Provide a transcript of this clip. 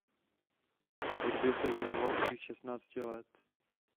Hudbě se věnoval od svých šestnácti let.